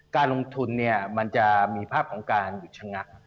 การลงทุนเนี่ยมันจะมีภาพของการหยุดชะงัก